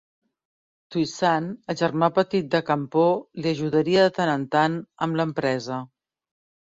Touissant, el germà petit de Campau, li ajudaria de tant en tan amb l'empresa.